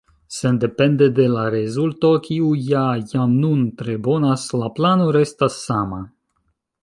Sendepende de la rezulto, kiu ja jam nun tre bonas, la plano restas sama.